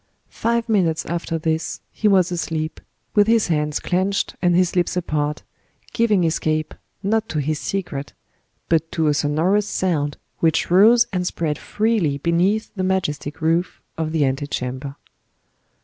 Five minutes after this he was asleep, with his hands clenched and his lips apart, giving escape, not to his secret, but to a sonorous sound, which rose and spread freely beneath the majestic roof of the ante chamber.